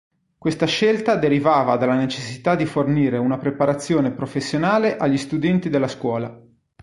Questa scelta derivava dalla necessità di fornire una preparazione professionale agli studenti della scuola.